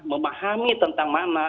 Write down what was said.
memahami tentang mana